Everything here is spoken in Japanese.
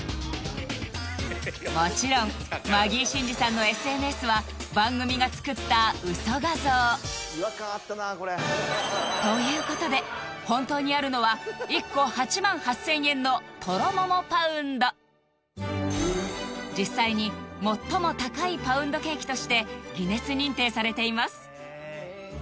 もちろんマギー審司さんのＳＮＳは番組が作ったウソ画像ということで本当にあるのは１個８万８０００円の実際に最も高いパウンドケーキとしてギネス認定されています